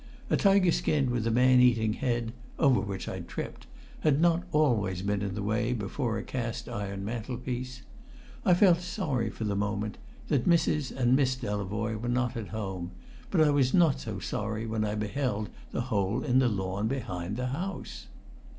A tigerskin with a man eating head, over which I tripped, had not always been in the way before a cast iron mantelpiece. I felt sorry, for the moment, that Mrs. and Miss Delavoye were not at home; but I was not so sorry when I beheld the hole in the lawn behind the house.